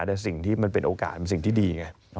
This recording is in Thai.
แต่สิ่งที่มันเป็นโอกาสเป็นสิ่งที่ดีไง